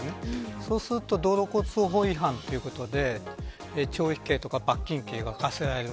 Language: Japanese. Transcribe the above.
そうすると道路交通法違反ということで懲役刑とか罰金刑が科せられる。